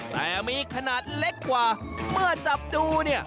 แต่มีขนาดเล็กกว่าเมื่อจับดูเนี่ย